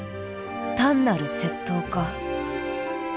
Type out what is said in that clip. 単なる窃盗か？